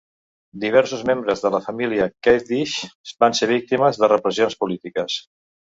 Diversos membres de la família Keldysh van ser víctimes de repressions polítiques.